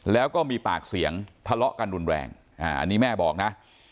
แล้วก็มีปากเสียงทะเลาะกันรุนแรงอันนี้แม่บอกนะ